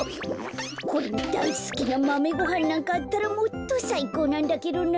これにだいすきなマメごはんなんかあったらもっとさいこうなんだけどな。